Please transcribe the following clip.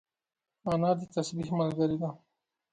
انا د تسبيح ملګرې ده